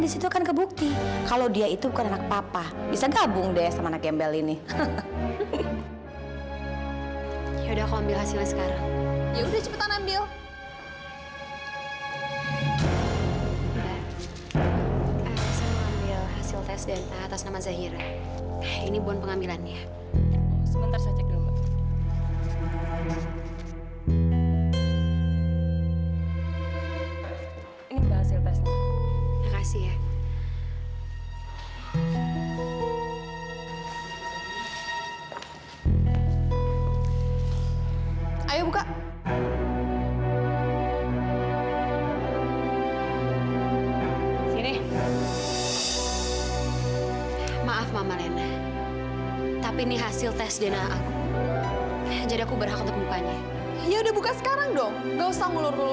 sampai jumpa di video selanjutnya